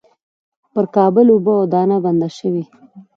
پر کابل اوبه او دانه بنده شوې.